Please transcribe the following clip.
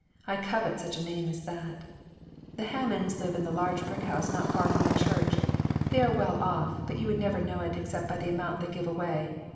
I covet such a name as thaty The Hammonds live in the large brick house not far from the church. They are well off, but you would never know it except by the amount they give away.